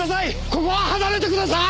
ここは離れてください！